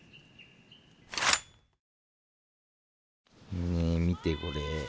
ねえ見てこれ。